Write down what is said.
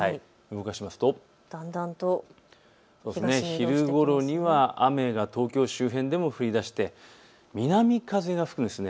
動かすとだんだんと東に移動して昼ごろには雨が東京周辺でも降りだして、南風が吹くんです。